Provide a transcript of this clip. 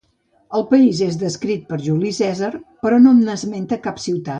El país és descrit per Juli Cèsar però no n'esmenta cap ciutat.